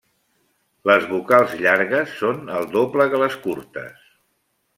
Les vocals llargues són el doble que les curtes.